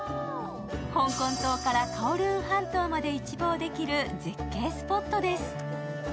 香港島からカオルーン半島まで一望できる絶景スポットです。